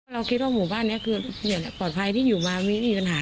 เราคิดว่าหมู่บ้านนี้คืออย่างปลอดภัยที่อยู่มาไม่มีปัญหา